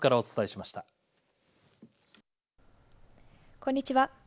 こんにちは。